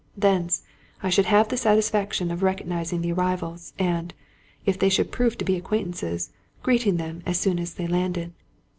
Thence, I should have the satisfaction of recognizing the arrivals, and, if they should prove to be acquaintances, greeting them as soon as they landed.